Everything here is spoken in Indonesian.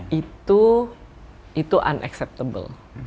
nah itu itu tidak terima